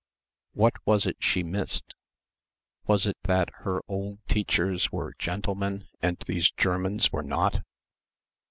What was it she missed? Was it that her old teachers were "gentlemen" and these Germans were not?